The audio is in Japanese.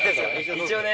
一応ね。